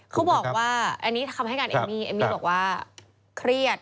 เขาบอกว่าอันนี้คำให้การเอมมี่เอมมี่บอกว่าเครียด